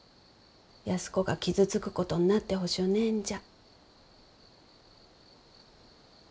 安子が傷つくことになってほしゅうねえんじゃ。